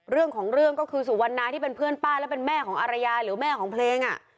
เรื่องของเรื่องก็คือสุวรรณาที่เป็นเพื่อนป้าและเป็นแม่ของอารยาหรือแม่ของเพลง